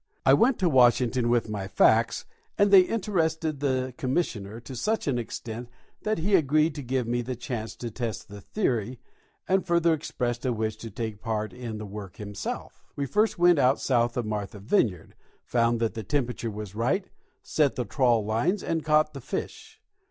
I went to Washington with my facts, and they interested the Commis sioner to such an extent that he agreed to give me the chance to test the theory, and further expressed a wish to take part in the work himself. We first went out south of Marthas Vineyard, found that the temperature was right, set the trawl lines and caught the fish.